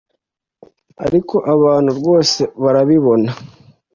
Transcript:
ariko abantu rwose barabibona